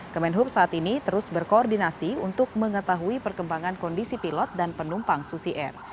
kemenhub saat ini terus berkoordinasi untuk mengetahui perkembangan kondisi pilot dan penumpang susi air